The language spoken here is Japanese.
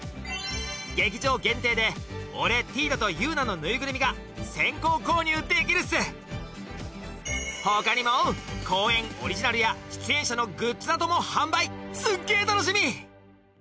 劇場限定で俺ティーダとユウナのぬいぐるみが先行購入できるッス他にも公演オリジナルや出演者のグッズなども販売すっげー楽しみ！